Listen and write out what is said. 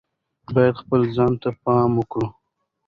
باید خپل ځان ته پام وکړي.